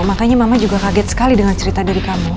makanya mama juga kaget sekali dengan cerita diri kamu